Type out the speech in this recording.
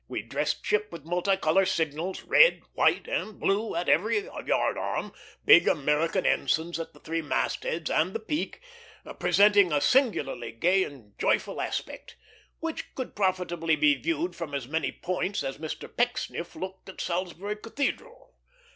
We dressed ship with multicolored signals, red, white, and blue, at every yard arm, big American ensigns at the three mast heads and the peak, presenting a singularly gay and joyful aspect, which could profitably be viewed from as many points as Mr. Pecksniff looked at Salisbury Cathedral.